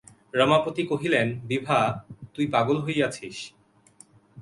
রমাপতি কহিলেন, বিভা, তুই পাগল হইয়াছিস।